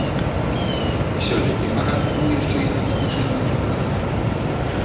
Сёлетні парад быў яшчэ і надзвычай марнатраўны.